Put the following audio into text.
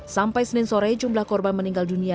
sampai senin sore jumlah korban meninggal dunia